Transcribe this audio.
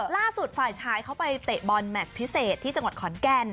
ฝ่ายชายเขาไปเตะบอลแมทพิเศษที่จังหวัดขอนแก่น